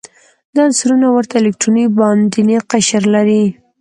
دا عنصرونه ورته الکتروني باندینی قشر لري.